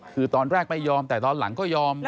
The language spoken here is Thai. คือตอนแรกไม่ยอมแต่ตอนหลังก็ยอม